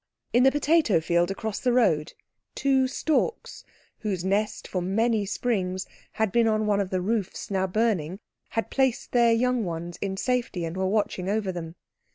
In the potato field across the road, two storks, whose nest for many springs had been on one of the roofs now burning, had placed their young ones in safety and were watching over them.